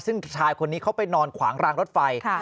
ซึ่งชายคนนี้เขาไปนอนขวางรางรถไฟ